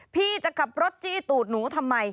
พี่จะขับรถจี้ตูดหนูทำไม